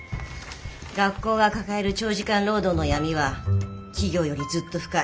学校が抱える長時間労働の闇は企業よりずっと深い。